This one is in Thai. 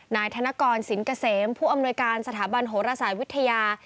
นายธนกรสินเกษมผู้อำนวยการสถาบันโหรศาสตร์วิทยา